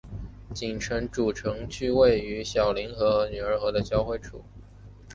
锦州主城区位于小凌河和女儿河的交汇处。